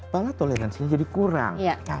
malah toleransinya jadi kurang